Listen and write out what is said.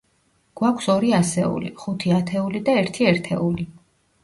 გვაქვს ორი ასეული, ხუთი ათეული და ერთი ერთეული.